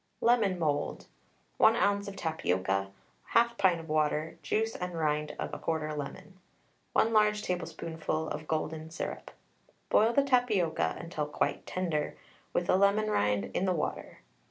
LEMON MOULD. 1 oz. of tapioca, 1/2 pint of water, juice and rind of 1/4 lemon, 1 large tablespoonful of golden syrup. Boil the tapioca until quite tender, with the Lemon rind, in the water.